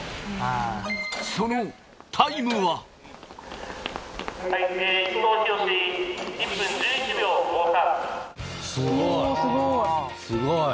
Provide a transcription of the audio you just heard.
そのタイムはすごいすごい。